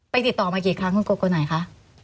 ติดต่อมากี่ครั้งคุณโกโกไหนคะ